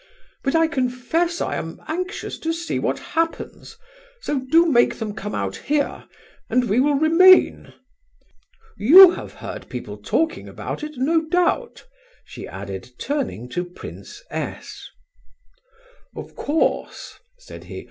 But I confess I am anxious to see what happens, so do make them come out here, and we will remain. You have heard people talking about it, no doubt?" she added, turning to Prince S. "Of course," said he.